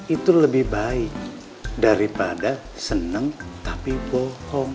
itu lebih baik daripada senang tapi bohong